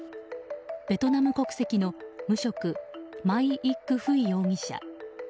ベトナム国籍の無職マイ・イック・フイ容疑者。